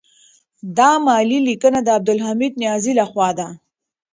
دا مالي لیکنه د عبدالحمید نیازی لخوا ده.